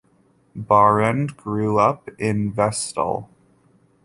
Barend grew up in Vestal.